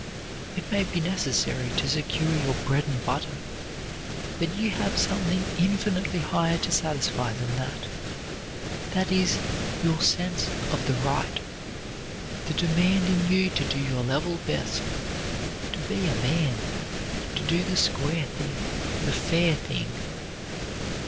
It may be necessary to secure your bread and butter, but you have something infinitely higher to satisfy than that; that is, your sense of the right; the demand in you to do your level best, to be a man, to do the square thing, the fair thing.